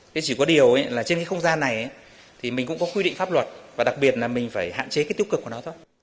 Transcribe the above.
thế chỉ có điều là trên cái không gian này thì mình cũng có quy định pháp luật và đặc biệt là mình phải hạn chế cái tiêu cực của nó thôi